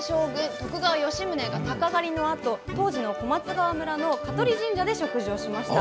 徳川吉宗が鷹狩りのあと当時の小松川村の香取神社で食事をしました。